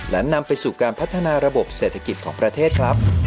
และนำไปสู่การพัฒนาระบบเศรษฐกิจของประเทศครับ